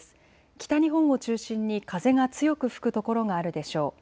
北日本を中心に風が強く吹く所があるでしょう。